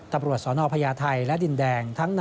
ตำรวจชพญาไทยหลัดดินแดง